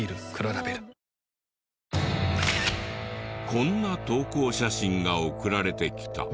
こんな投稿写真が送られてきた。